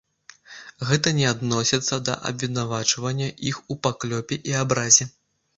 Гэта не адносіцца да абвінавачвання іх у паклёпе і абразе.